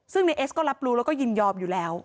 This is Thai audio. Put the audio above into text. ซึ่งในเอสก็รับรู้แล้วก็ยินยอมอยู่แล้ว